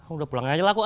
udah pulang aja lah kuk